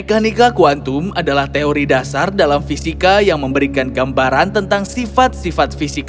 alam semesta alternatif